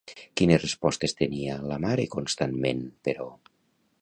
Quines respostes tenia la mare constantment, però?